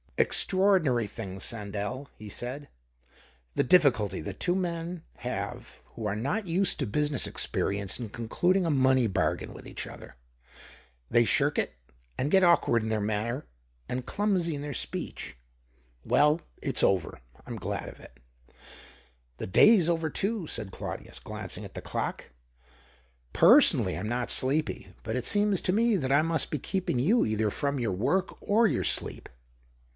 " Extra ordinary thing, Sandell," he said, " the difti culty that two men have who are not used to l)usiness experience in concluding a money bargain with each other. They shirk it, and get awkward in their manner, and clumsy in their speech. Well, it's over, I'm glad of it." " The day's over too," said Claudius, glancing at the clock. '" Personally, I'm not sleepy. But it seems to me that I must be keeping you either from your work or your sleep."